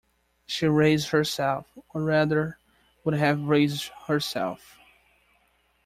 She raised herself, or rather would have raised herself.